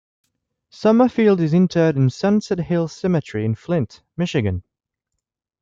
Summerfield is interred in Sunset Hills Cemetery in Flint, Michigan.